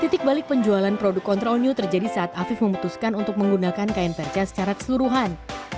titik balik penjualan produk control new terjadi saat afif memutuskan untuk menggunakan kain perca secara keseluruhan